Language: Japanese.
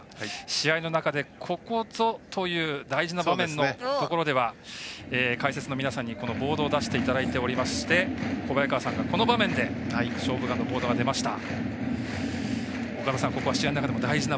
試合の中でここぞという大事な場面のところでは解説の皆さんに、ボードを出していただいておりまして小早川さんがこの場面で「勝負眼」のボード出ました。